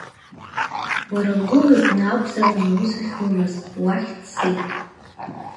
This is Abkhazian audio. Лара лгәыла иҟны акәзаарын аус ахьлымаз, уахь дцеит…